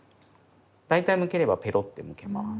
大体むければペロッてむけます。